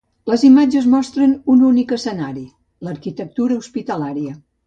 Les imatges mostren un únic escenari: l'arquitectura hospitalària.